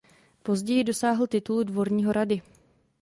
Později dosáhl titulu dvorního rady.